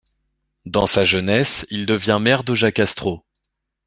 Dans sa jeunesse, il devient maire d'Ojacastro.